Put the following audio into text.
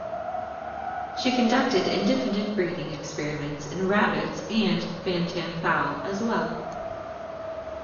She conducted independent breeding experiments in rabbits and bantam fowl, as well.